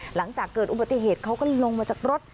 หลังจากเกิดอุบัติเหตุเขาก็ลงมาจากรถ